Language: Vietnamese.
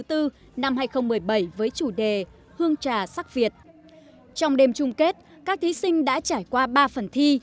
tư năm hai nghìn một mươi bảy với chủ đề hương trà sắc việt trong đêm chung kết các thí sinh đã trải qua ba phần thi